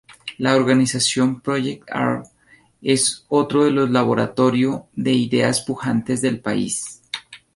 La organización ProyectAr es otro de los laboratorio de ideas pujantes del país.